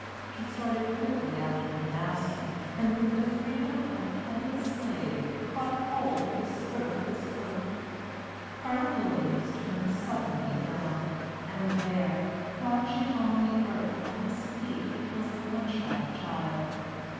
She started quickly after her master, and, with the freedom of a petted slave, caught hold of the skirt of his coat. Colonel Williams turned suddenly round; and there, crouching on the earth at his feet, was the hunchback child.